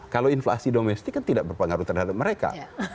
kalau inflasi domestik kan tidak berpengaruh terhadap mereka